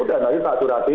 dan nanti tak turun hati